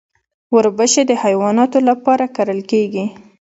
وربشې د حیواناتو لپاره کرل کیږي.